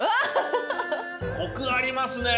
コクありますね！